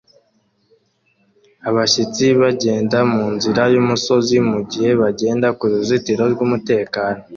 Abashyitsi bagenda munzira y'umusozi mugihe bagenda kuruzitiro rwumutekano